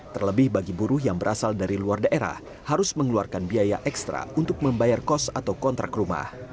terlebih bagi buruh yang berasal dari luar daerah harus mengeluarkan biaya ekstra untuk membayar kos atau kontrak rumah